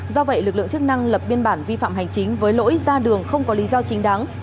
do vậy lực lượng chức năng lập biên bản vi phạm hành chính với lỗi ra đường không có lý do chính đáng